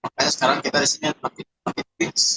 makanya sekarang kita di sini kita lebih lebih